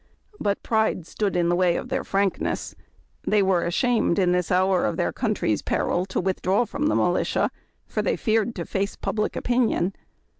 But pride stood in the way of their frankness. They were ashamed in this hour of their country's peril to withdraw from the militia, for they feared to face public opinion.